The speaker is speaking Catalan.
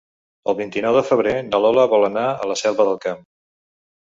El vint-i-nou de febrer na Lola vol anar a la Selva del Camp.